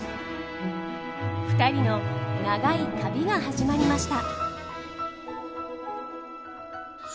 ２人の長い「旅」が始まりました。